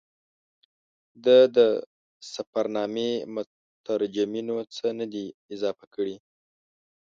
د ده د سفرنامې مترجمینو څه نه دي اضافه کړي.